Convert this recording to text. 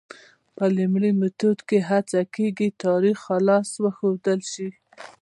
په لومړي میتود کې هڅه کېږي تاریخ خالص وښودل شي.